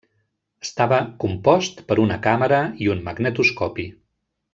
Estava compost per una càmera i un magnetoscopi.